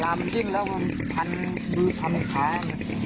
ปลามันยิ่งแล้วมันพันธุ์หรือพันธุ์ขาอย่างเงี้ย